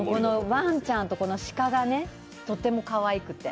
ワンちゃんと鹿がとってもかわいくて。